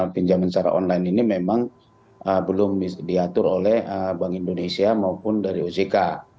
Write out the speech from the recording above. pinjaman secara online ini memang belum diatur oleh bank indonesia maupun dari ojk